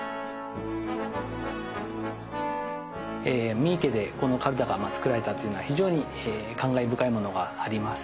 三池でこのカルタが作られたというのは非常に感慨深いものがあります。